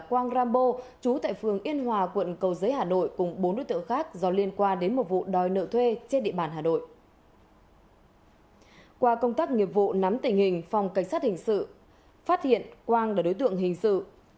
qua công tác nghiệp vụ nắm tình hình phòng cảnh sát hình sự phát hiện quang là đối tượng hình sự